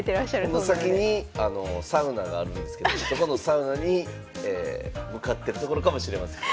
この先にサウナがあるんですけどそこのサウナに向かってるところかもしれません。